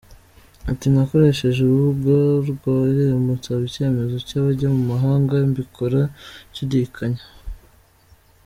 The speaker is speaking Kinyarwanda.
Ati" Nakoresheje urubuga rwa Irembo nsaba icyemezo cy’abajya mu mahanga mbikora nshidikanya.